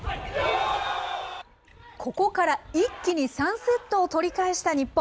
ここから、一気に３セットを取り返した日本。